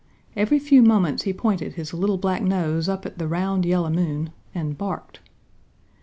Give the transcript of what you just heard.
Every few moments he pointed his little black nose up at the round, yellow moon and barked.